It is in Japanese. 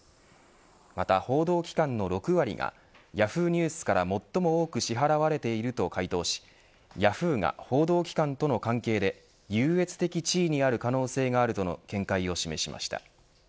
また報道機関の６割がヤフーニュースから最も多く支払われていると回答しヤフーが報道機関との関係で優越的地位にある可能性があるとの見解を示しました。